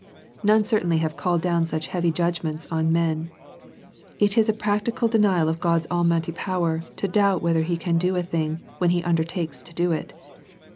None certainly have called down such heavy judgments on men. It is a practical denial of God's Almighty power to doubt whether He can do a thing, when He undertakes to do it.